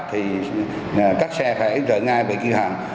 thì các xe phải rời ngay về cửa hàng